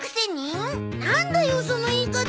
なんだよその言い方！